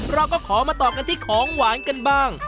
เราก็ขอมาต่อกันที่ของหวานกันบ้าง